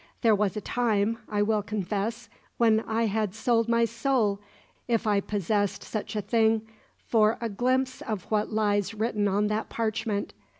There was a time (I will confess) when I had sold my soul, if I possessed such a thing, for a glimpse of what lies written on that parchment.